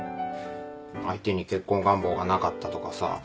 相手に結婚願望がなかったとかさ。